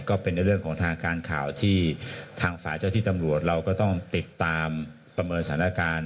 ก็เป็นในเรื่องของทางการข่าวที่ทางฝ่ายเจ้าที่ตำรวจเราก็ต้องติดตามประเมินสถานการณ์